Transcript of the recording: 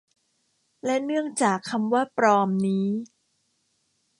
และเนื่องจากคำว่า ปลอม นี้